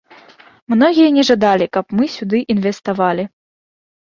Многія не жадалі, каб мы сюды інвеставалі.